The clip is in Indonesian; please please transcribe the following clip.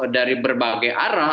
dari berbagai arah